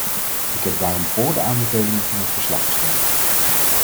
Ik heb daarom voor de aanbevelingen van het verslag gestemd.